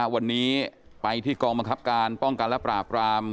วันนี้ไปที่กองบังคับการป้องกันและปราบราม